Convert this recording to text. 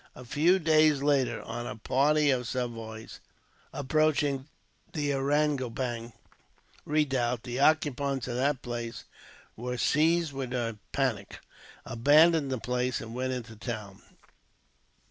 A few days later, on a party of Sepoys approaching the Ariangopang redoubt, the occupants of that place were seized with a panic, abandoned the place, and went into the town.